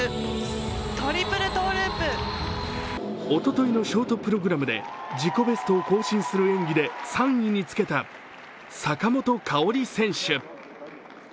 おとといのショートプログラムで自己ベストを更新する演技で３位につけた坂本花織選手。